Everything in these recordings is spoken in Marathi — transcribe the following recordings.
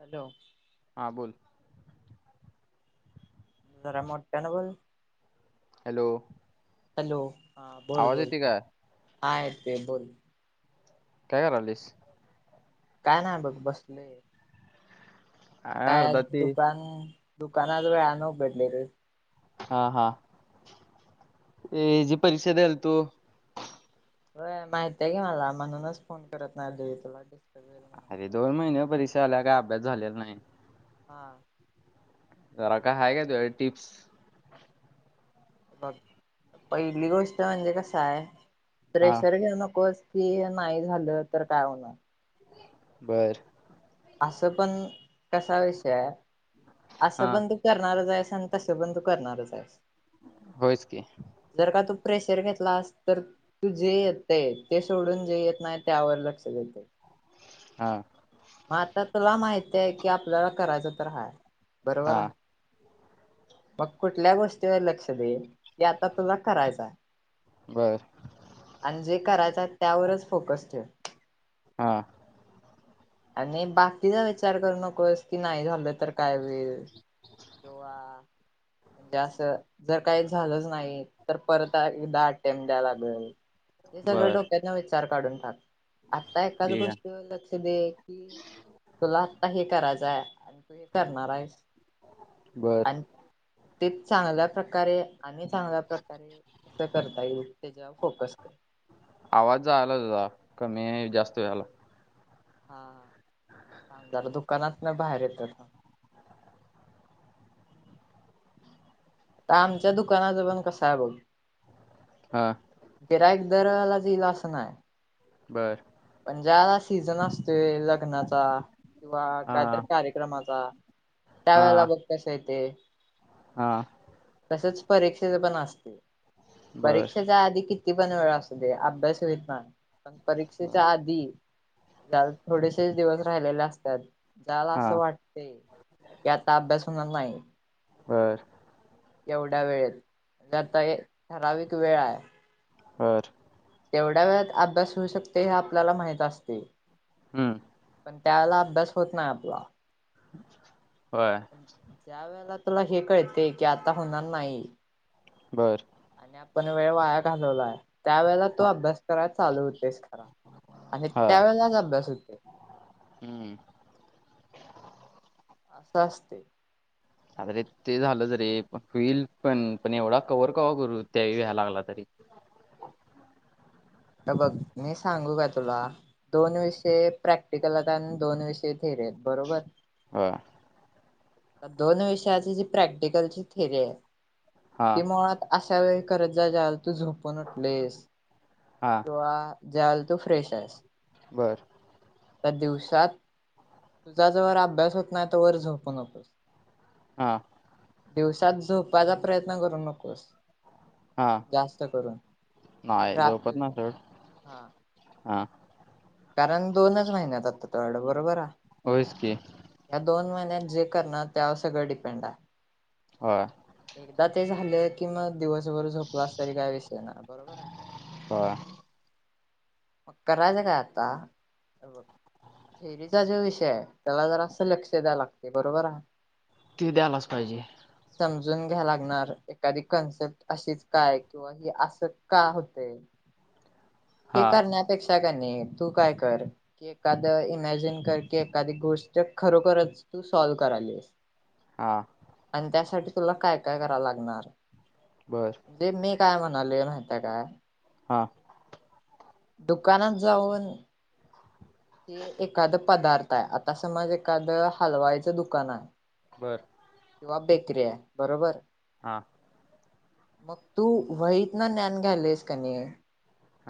हॅलो हा बोल जरा मोठ्या ना बोल हॅलो हॅलो आवाज येते काय हाय ते बोल काय का रालीस काय नाही बघ बसले काय अर्धा ते दुकान दुकानात वळ नो बडली र हा हा जी परीक्षा दल तू हो माहतीय घे मला म्हणूनच फोन करत नाही देवी तुला होईल म्हणून अरे दोन महिन्या परी काही अभ्यास झालेला नाही. हा. जरा का ह का तुझ्या कड टिप्स. बघ पहिली गोष्ट म्हणजे कसय. हा प्रेशर घेऊ नकोस. कि नाही झालं तर काय होणार बर. असं पण कसा विषयय हाय. हा असं पण तू करणारच आहे तसं बंद करणारच आहे. होयच की. प्रेशर घेतला तर तू जे येत आहे ते सोडून जे येत नाही त्यावर लक्ष हा. मग आता तुला माहित आहे कि आपल्याला करायचं तर हाय. बरोबर हा आहे. मग कुठल्या गोष्टीवर लक्ष देईल जे आता तुला करायचा आहे. बर आणि जे करायच. त्यावरच फोकस ठेव. हा आणि बाकीचा विचार करू नकोस, की नाही झालं तर काय होईल किंवा म्हणजे असं जर काही झालंच नाही. तर परत एकदाटेम्पट द्याय लागल. हे सगळं बर डोक्यातन विचार काढून टाक. आता एकाच ठीक आहे गोष्टीवर लक्ष दे. की तुला आता हे करा यच आहे आणि तू हे करणार आहेस. बर. आणि ते चांगल्या प्रकारे आणि चांगल्या प्रकारे कसं करता येईल त्याच्यावर फोकस कर आवाज जायलाय तुझा. कमी आहे जास्त व्हालाय. हा हा थांबा जरा दुकानात बाहेर येतो थांब. आता आमच्या दुकानाचपण कस आहे बघ हा. गिराईक दर वेळेलाच येईल असं नाय. बर. जास सीझन असतोय लग्नाचा किंवा हा काहीतरी कार्यक्रमाचा त्यावेेळेला हा बघ कस येतय. हा. असच परीक्षेच पण असतय. बर परीक्षेच्या आधी किती किती पण वेळ असु दे, अभ्यास व्हित नाय पण परीक्षे च्या आधी ताल थोडेसेच दिवस राहिलेले असतात झाला हा असं वाटते की आता अभ्यास होणार नाही बर एवढ्या वेळेत, आता हे ठराविक वेळ आहे बर तेवढ्या वेळात अभ्यास होऊ शकते हे आपल्याला माहित असतय. हम्म पण त्यावेळेला अभ्यास होत नाही आपला [inaudible] ज्या वेळेला- तुला हे कळते की आता होणार नाही- बर. पण वेळ वाया घालवलाय. त्यावेेळेला तो हा अभ्यास कराय चालू होतेस खरा आणि हा त्यावेेळेलाच अभ्यास होते. हम्म असं असते. अरे ते झालं जरीे पण होईल पण पण एवढा कवर कवा करू त्याही लागला तरी. हे बघ मी सांगू का तुला दोन विषय प्रॅक्टिकल राता आणि दोन विषय- रेल बरोबर. होय दोन विषयाची जी प्रॅक्टिकलची थिरीये. हा ते मुळात अस- त्या वेळी करत जा जाल- तू झोपून उटलेस हा किंवा- ज्या वेळेला तू फ्रेश आहेस बरं. त्या दिवसात तुझा जवर अभ्यास होत नाय तोवर झोप नकोस. हा. दिवसात झोपपाचा प्रयत्न करू नकोस. हा जास्त करून आणि नाही झोपत रात्री नाही सोड हा हा कारण दोनच महिन्यात आता तोकड बरोबर- होओइसकी- या दोन जे करणार त्यावर सगळं डिपेंड आहे. होय. एकदा ते झालं कि मग- दिवसभर झोपलास तरी काय विषय नाय बरोबर आहे. होय मग करायच काय आता थेरीचा जो विषय आहे त्याला जरा असं लक्ष द्याव लागते बरोबर हाय? ते द्यायलाच पाहिजे. समजून घ्या लागणार एखादी कन्सेप्ट अशीच काय? किंवा ह अस का होते. ते हा करण्यापेक्षा क नाही तू काय कर की एखाद इमॅजिन कर की एखादी गोष्ट खरोखरच तू सॉल्व करालीस हा. त्यासाठी तुला काय काय करावं लागणार बर जे मी काय म्हणाले माहितेय का हां. दुकानात जाऊन की एखादं पदार्थ आहे आता समज एखादं हलवायच दुकान आहे. बर. किंवा बेकरी आहे बरोबर हा मग तू वहीत ना ज्ञान घ्यालेस कणी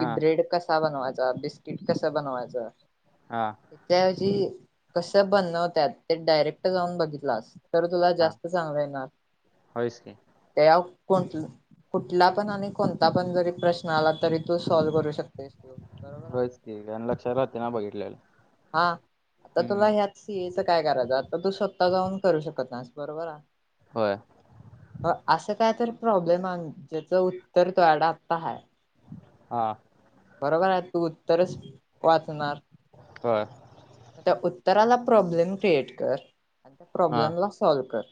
कि ब्रेड कसा बनवाचा बिस्किट कस बनवायचं हा त्या ऐवजी कसं बनणवतात ते डायरेक्ट जाऊन बघितलासं तर तुला हा जास्त चांगलं येणार होयच की त्याव कोण कुठला पण आणि कोणता पण जरी प्रश्न आला तरी तू सॉल्व करू शकतोस तू बरोबर आहे? ल्यालं हा आता तुला ह्यात सीए च काय करायचं? आता तू स्वतः जाऊन करू शकत नाहीस बरोबर आहे होय अ असं काय तर प्रॉब्लेम आणं ज्याचं उत्तर तूयाकडं आत्ता आहे. हा कणंया तू उत्तरच वाचणार होय म त्या उत्त तराला प्रॉब्लेम क्रिएट कर आणि त्या हा प्रॉब्लेमला सॉल्व कर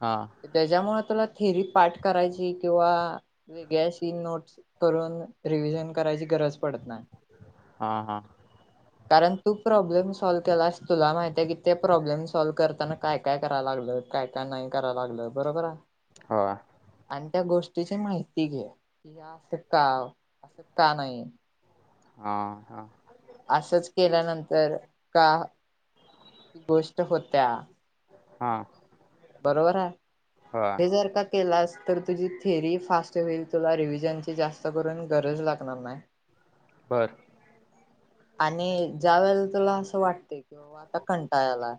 हा त्याच्या मुळं तूला थेरी पाठ करायची किंवा वेगळी अशी नोट्स करून रिव्हजन करायची गरज पडत नायं हा हा कारण तू प्रॉब्लेम सॉल्व केलास तुला माहितीय की ते प्रॉब्लेम सॉल्व करताना काय काय कराय लागल! काय काय नाही कराय लागलं बरोबर आहे. होय. आणि त्या गोष्टीची माहिती घे की या असं का का नाही हा हा. असंच केल्यानंतर का ती गोष्ट होत्या हा. बरोबर आहे होय हे जर का केलास तर तुझी थेअरी फास्ट होईल तुला रिव्हजनची जास्त करून गरज लागणार नाही बरं. आणि ज्या वेळेला तुला असं वाटतयं किवा आता कंटाळाला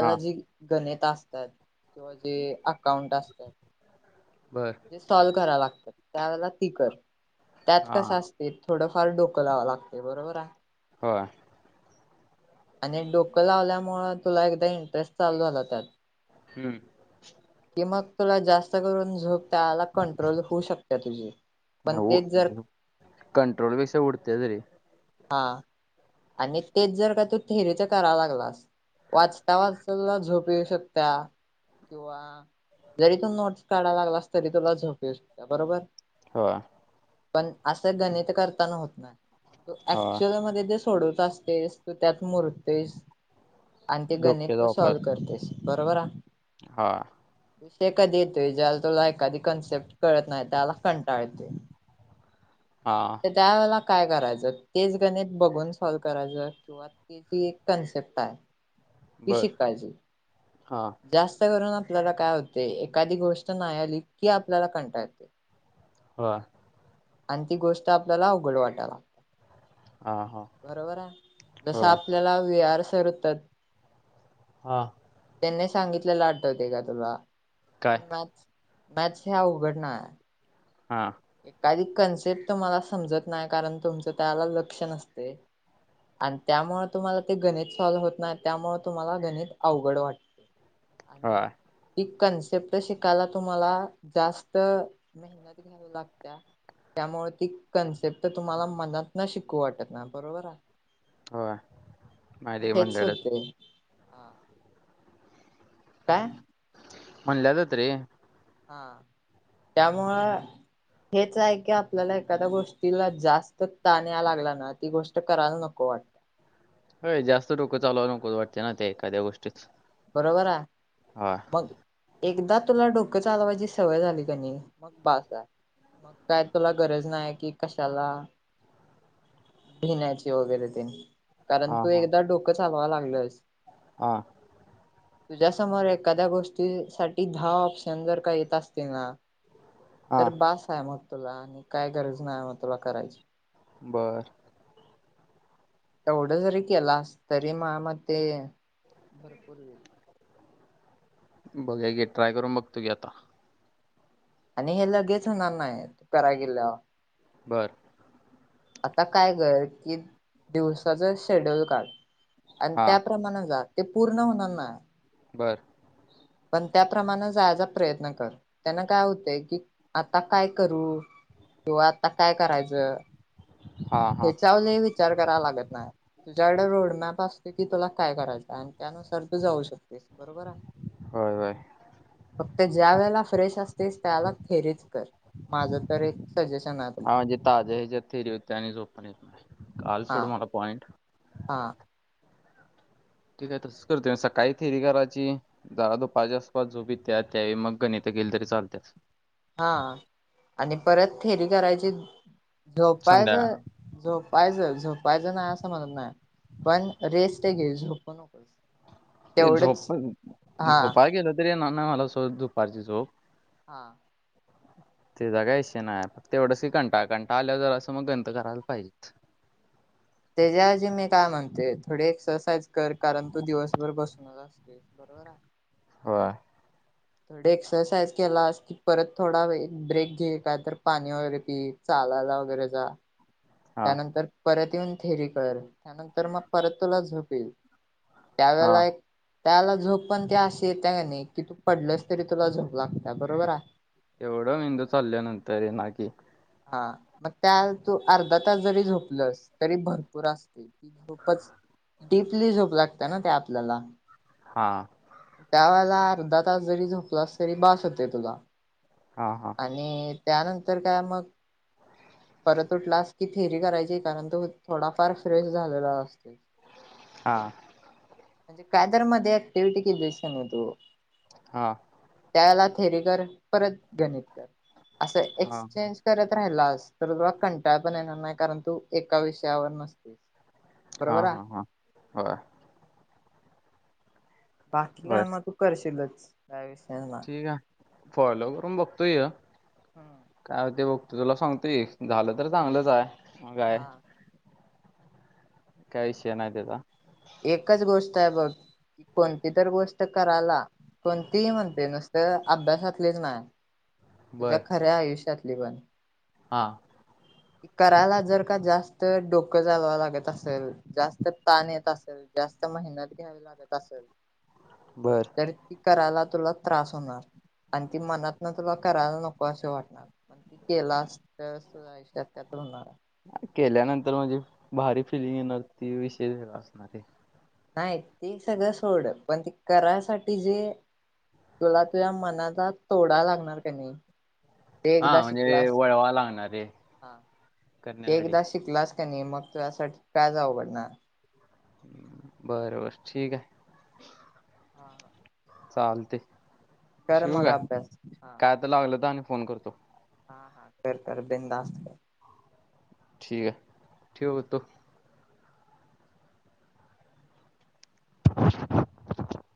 हा जी गणित तस्तात. किंवा जे अकाउंट असत बर जे सॉल करा लागतात त्यावेळे ती कर त्यात हा कसं असते थोडंफार डोकं लावा लागते बरोबर आहे. होय. आणि डोकं लावल्यामुळ तुला एकदा इंटरेस्ट चालू झाला त्यात हम्म. कि मग तुला जास्त करून झोप त्याला कंट्रोल होऊ शकते तुझी पण तेच जर कंट्रोल पेक्षा उडते तरी हा आणि तेच जर का तू थेरीच कराय लागलास वाचता वाचता तुला झोप येऊ शकता किंवा जरी तू नोट्स काढायला लागलास तरी तुला झोप येऊ शकता बरोबर होय. पण असं गणित करताना होत ना हा ऍक्च्युल मध्ये ज सोडत असतेस तू त्यात मुरतेस आणि ते गणित डोक्याचा तू सॉल्व वापर करतेस बरोबर आहे. हा. विषय कध येतोय ज्याला तुला एखादी कन्सेप्ट कळत नाही त्याला कंटाळते हा ते त्या वेेळेला काय करायचं तेच गणित बघून सॉल्व करायच किंवा ते जी एक कन्सेप्ट आहे किशी बर पाहिजे हा जास्त करून आप आपल्याला काय होते एखादी गोष्ट नाही आली की आपल्याला कंटाळते हा. आणि ती गोष्ट आपल्याला अवघड वाटायला लागते हा हा बरोबर आहे जस हो आपल्याला विहार सरतात. हा. त्यांनी सांगितलेला आटवते का तुला? काय तीन ब्याच. ब्याच ह्या उघडणा हा. एखादी कन्सेप्ट तुम्हाला समजत नाय कारण तुमचं त्याला लक्ष नसतय आणि त्यामुळं तुम्हाला ते गणित सॉल्व होत नाही त्यामुळं तुम्हाला ते गणित अवघड वाटते. होय आणि इत कन्सेप्ट शिकायला तुम्हाला जास्त मेहनत घ्यावी लाग त्या त्यामुळे ती कन्सेप्ट तुम्हाला मनातन शिकू वाटत ना बरोबर आहे. होय अ माहिती हेच म्हणलेलं होतय. हा काय? म्हणल्यालात रे. हा त्यामुळं हेच आहे की आपल्याला एखाद्या गोष्टीला जास्त ताण या लागला ना ती गोष्ट करायला नको वाट होय जास्त डोक चालवा नको वाटते ना ते एखाद्या गोष्टीत. बरोबर आ हा एकदा तुला डोकं चालवायची सवय झाली का नाई मग बाास आ मग काय तुला गरज नाही कि कशाला भिन्याची वगैरे ते कारण हा तू हा एकदा डोक चालवा लागलंस. हा तुझ्यासमोर एखाद्या गोष्टी साठी दहा ऑप्शन जर का येत असतील ना हा तर बास आहे मग. तुला आणि काय गरज नाही म तुला करायची बर, एवढं जरी केलास तरी माय मते भरपूर होईल. बघा गे ट्राय करून बगतो गी आता. आणि हे लगेच होणार नाही करायगिल्ल्या. बर. आता काय कर कि दिवसाच शेड्यूल काढ. आनं हा त्या प्रमाण जा. ते पूर्ण होणारना. बर. पण त्याप्रमाण जागा प्रयत्न कर त्यांना काय होतय की आता काय करू किंवा आता काय करायचं हा हा ते चावले वि चार करायला लागत नाय तुझ्याकडे रोडमॅप आ आसतकी तुला काय करायचं आणि त्यानुसार तू जाऊ शक ते बरोबर आ होय होय फक्त ज्या वेळेला फ्रेश असतेस त्याला थेरीच कर माझं तर एक सजेशन आहे हा तुला. म्हणजे ताज्या ह्याच्यात थेरी होते आणि झोप पण येत नाय. काल हा सोडू मला पॉइंट. हा ठीक आहे तसच करतो मी सकाळी थेरी कराची जाधो पाझ्या आसपास झोपी त्या त्या मग गणित गेल तरी चालत हा आणि परत थेरी करायची संध्याकाळ झोपायचं झोपायचं झोपायचं नाही असं म्हणत नाही पण रेस्ट घे झोप नकोस ते तेवढंच झोप हा झोपा गेल तरी आहे ना मला सो दुपारची चोक हा तेचा काहीषय नाही फ तेवढस कंटा कंटा आल्या जरा असं मग गंत करायला पाहिजे त्याच्याऐवजी मी काय म्हणते थोडी एक्सरसाइज कर कारण तू दिवसभर बसूनच असतेस बरोबर ह थोडी एक्सरसाइज केला अस की परत थोडा ब्रेक घेईल का तर पाणी वगैरे पि चालायला वगैरे जा हा त्यानंतर परत ऊन थेरी कर त्यानंतर मग परत तुला झोपल हा त्यावेला एक त्याला झोप पण ते अशी येते का नाही कि तू पडलस तरी तुला झोप लागते बरोबर आहे एवढं मेंदू चालल्या नंतर ये ना की हा मग त्या तू अर्धा तास जरी झोपलस तरी भरपूर असते त खूपच डडीपली झोप लागते ना त्या आपल्याला हा त्या वेळेला अर्धा तास जरी झोपलास तरी बास होते तुला हा हा आणि त्यानंतर काय मग परत उठलास की थेरी करायची कारण तो थोडाफार फ्रेश झालेला असते हा म्हणजे कायदरमध्येध्ये ऍक्टिव्हटी किलीस नाही तो हा थेरेकर परत गणितकर असं हा एक्सचेंज करत राहिला तर तुला कंटाळ पण येणार नाही कारण तू एका विषयावर नसतेस हा बरोबर आहे हा हा वा बाकीला म तू करशीलच अ ठीक आहे फॉलो करून बघतोय हम्म. काय ते ब त तुला सांगतोय झालं तर चांगलंच आहेय ह काय हा काय विषय नतात एकच गोष्ट आहे बघ कोणती तर गोष्ट करायला कोणतीही म्हणते नुसत अभ्यासातलीच नाही तुझ्या बर खऱ्या आयुष्यात लिवन हा. करायला जर का जास्त डोकं जालवं लागत असेल जास्त ताण येत असेल जास्त मेहनत घ्यावी लागत असेल. बर त्या करायला तुला त्रास होणार आणि ती मनात ना तुला करायला नको असे वाटणार त केला अस चकत होणारा केल्यानंतर म्हणझे भारी फिलिंग येणार ती विषयष असणारी नाही ते सगळं सोड पण ते करायसाठी जे तुला तुझ्या मनाला तोडा लागणार का नाही? ते हा एकदा म्हणजे शिकलास वळवा लागणार आहे हा ते करण्यासाठी एकदा शिकलास नाही मग तुझसाठी काय जाऊं पडणार बर बर ठीक आहे. हा हा चालते ठिवू काय, अभ्यास हा काय तर लागलं तर आणि फोन करतो. [unintelligible] ठिक आहे, ठेवतो. [inaudible]